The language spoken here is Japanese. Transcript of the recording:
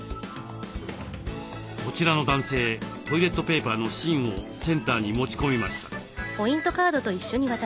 こちらの男性トイレットペーパーの芯をセンターに持ち込みました。